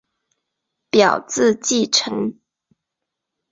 表字稷臣。